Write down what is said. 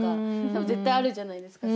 多分絶対あるじゃないですか。